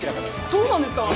そうなんですか？